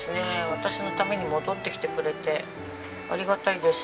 私のために戻ってきてくれてありがたいです